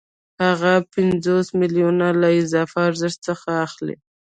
هغه پنځوس میلیونه له اضافي ارزښت څخه اخلي